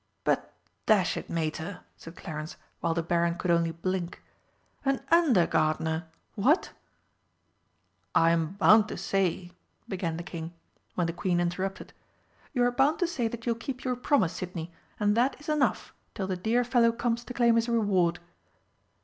"But, dash it, Mater!" said Clarence, while the Baron could only blink, "an under gardener what!" "I'm bound to say " began the King, when the Queen interrupted: "You are bound to say that you'll keep your promise, Sidney, and that is enough till the dear fellow comes to claim his reward."